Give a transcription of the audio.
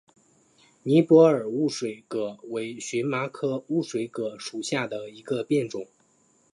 尼泊尔雾水葛为荨麻科雾水葛属下的一个变种。